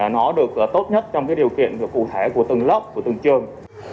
nó được tốt nhất trong điều kiện cụ thể của từng lớp của từng trường